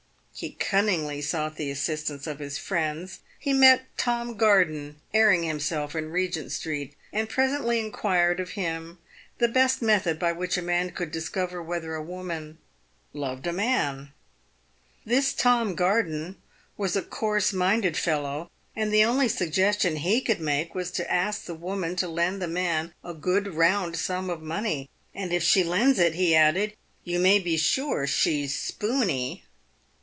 He cunningly sought the assistance of his friends. He met Tom Garden airing himself in Begent street, and presently inquired of him the best method by which a man could discover whether a woman loved a man. This Tom Garden was a coarse minded fellow, and the only suggestion he could make was to ask the woman to lend the man a good round sum of money, " and if she lends it," he added, " you may be sure she's spoony."